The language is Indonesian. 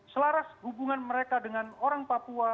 selaras hubungan mereka dengan orang papua